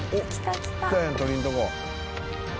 来たやん鳥居のとこ」